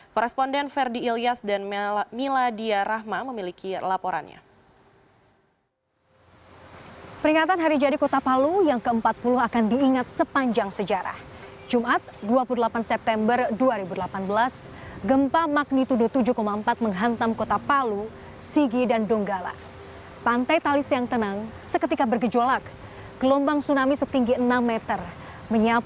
koresponden ferdi ilyas dan miladia rahma memiliki laporannya